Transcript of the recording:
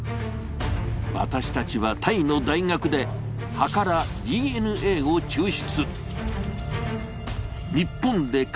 私たちはタイの大学で、葉からＤＮＡを抽出。